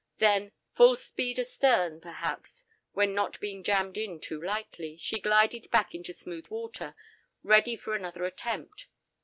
Then "full speed astern" perhaps, when not being jammed in too tightly, she glided back into smooth water, ready for another attempt.